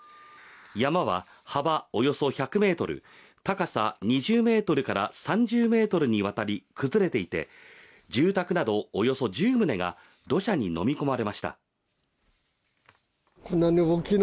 山は幅およそ１００ｍ、高さ２０ｍから３０ｍにわたり崩れていて、住宅などおよそ１０棟が土砂にのみ込まれました。